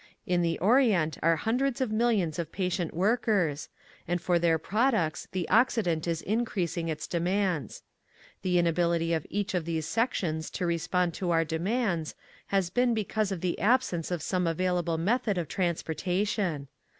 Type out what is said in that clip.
In the orient are hundreds of millions of patient work ers, and for their products the Occident is increasing its demands. The inability of each of these sections to respond to our demands has been because of the absence of some available method of transporta tion.